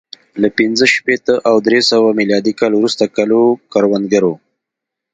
له پنځه شپېته او درې سوه میلادي کال وروسته کلو کروندګرو